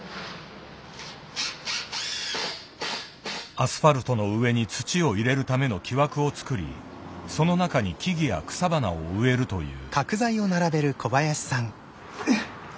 アスファルトの上に土を入れるための木枠を作りその中に木々や草花を植えるという。